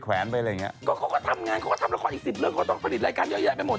คนอย่างเธอนี่มันห้าต